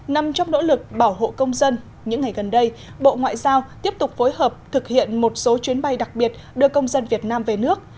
nằm trong nỗ lực bảo hộ công dân những ngày gần đây bộ ngoại giao tiếp tục phối hợp thực hiện một số chuyến bay đặc biệt đưa công dân việt nam về nước